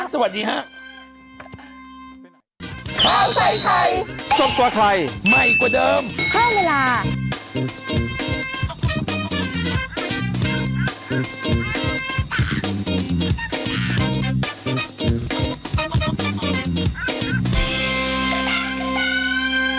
สวัสดีค่ะอ้าวสวัสดีค่ะ